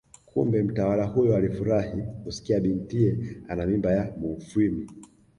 Kumbe mtawala huyo alifurahi kusikia bintiye ana mimba ya Mufwimi